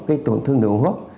gây tổn thương đường hô hấp